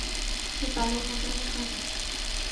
সে কালো মোটা এবং খাট।